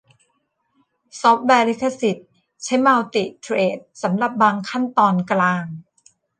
ซอฟต์แวร์ลิขสิทธิ์ใช้มัลติเธรดสำหรับบางขั้นตอนกลาง